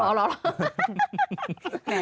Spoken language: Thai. เอาล่ะ